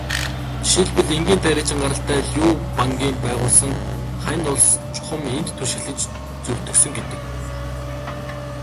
Жишээлбэл, энгийн тариачин гаралтай Лю Бангийн байгуулсан Хань улс чухам энд түшиглэж зөвтгөгдсөн гэдэг.